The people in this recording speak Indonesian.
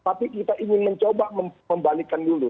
tapi kita ingin mencoba membalikan dulu